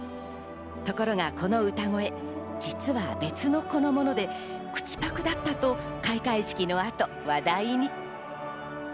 ところがこの歌声、実は別の子のもので、口パクだったと開会式の後、話題に。